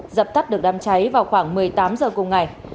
dập tắt được đam cháy vào khoảng một mươi tám h ba mươi